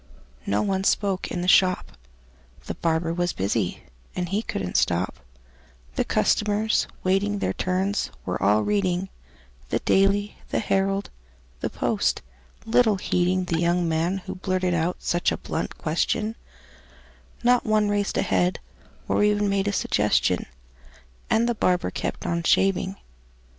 No one spoke in the shop: The barber was busy, and he couldn't stop; The customers, waiting their turns, were all reading The "Daily," the "Herald," the "Post," little heeding The young man who blurted out such a blunt question; Not one raised a head, or even made a suggestion; And the barber kept on shaving.